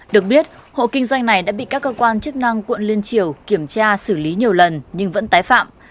được biết hộ kinh doanh này đã bị các cơ quan chức năng quận liên triều kiểm tra xử lý nhiều lần nhưng vẫn tái phạm